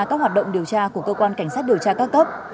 các hoạt động điều tra của cơ quan cảnh sát điều tra các cấp